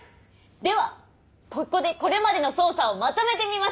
ではここでこれまでの捜査をまとめてみましょう！